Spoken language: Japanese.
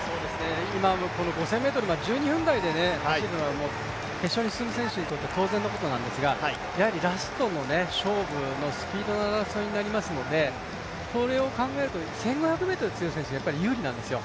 今５０００ｍ１２分台で走るのが決勝に進む選手にとって当然のことなんですけれどもやはりラストの勝負のスピードの争いになりますのでそれを考えると、１５００ｍが強い選手が有利なんですよ。